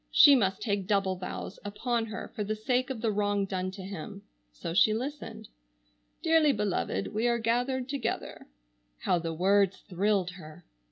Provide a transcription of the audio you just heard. She must take double vows upon her for the sake of the wrong done to him. So she listened: "Dearly beloved, we are gathered together"—how the words thrilled her!